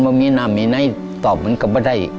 ว่ามีหน้ามีไหนตอบมันก็ไม่ได้